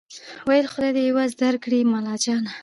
ویل خدای دي عوض درکړي ملاجانه